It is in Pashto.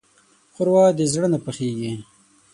ښوروا د زړه نه پخېږي.